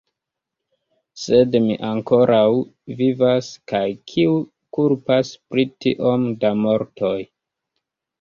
Sed mi ankoraŭ vivas, kaj kiu kulpas pri tiom da mortoj?